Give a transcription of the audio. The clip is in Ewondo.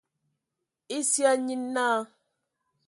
Esia nye naa.